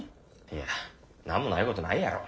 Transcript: いや何もないことないやろ。